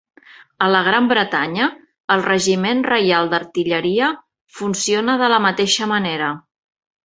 A la Gran Bretanya, el Regiment Reial d'Artilleria funciona de la mateixa manera.